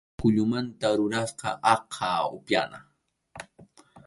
Kʼullumanta rurasqa aqha upyana.